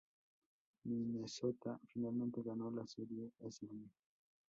Minnesota finalmente ganó la Serie ese año.